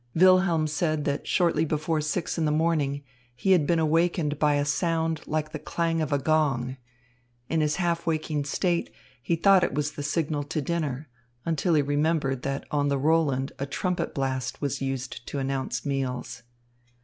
Wilhelm said that shortly before six in the morning, he had been awakened by a sound like the clang of a gong. In his half waking state, he thought it was the signal to dinner, until he remembered that on the Roland a trumpet blast was used to announce meals.